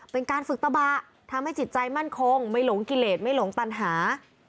เป็นการฝึกตะบะทำให้จิตใจมั่นคงไม่หลงกิเลสไม่หลงตันหา